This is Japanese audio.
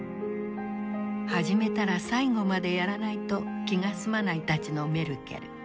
始めたら最後までやらないと気が済まないたちのメルケル。